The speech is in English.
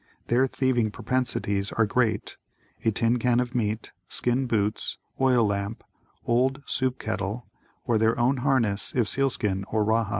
Their thieving propensities are great, a tin can of meat, skin boots, oil lamp, old soup kettle, or their own harness if sealskin or rawhide.